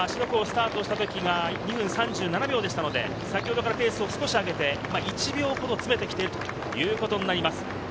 湖をスタートした時は２分３７秒でしたので先ほどからペースを少し上げて１秒ほど詰めてきているということになります。